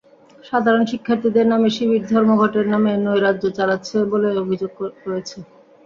সাধারণ শিক্ষার্থীদের নামে শিবির ধর্মঘটের নামে নৈরাজ্য চালাচ্ছে বলে অভিযোগ রয়েছে।